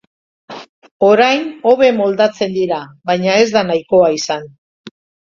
Orain hobe moldatzen dira, baina ez da nahikoa izan.